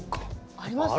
ありますね。